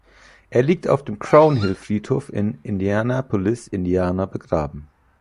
Er liegt auf dem Crown-Hill-Friedhof in Indianapolis, Indiana, begraben.